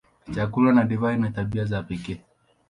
Chakula na divai ina tabia za pekee.